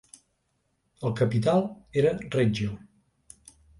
El capital era Reggio.